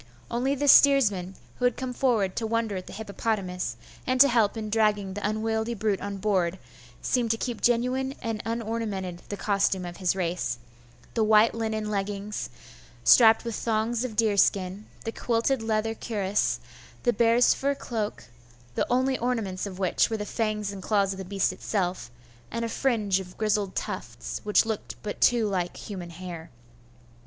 Only the steersman, who had come forward to wonder at the hippopotamus, and to help in dragging the unwieldy brute on board, seemed to keep genuine and unornamented the costume of his race, the white linen leggings, strapped with thongs of deerskin, the quilted leather cuirass, the bears' fur cloak, the only ornaments of which were the fangs and claws of the beast itself, and a fringe of grizzled tufts, which looked but too like human hair.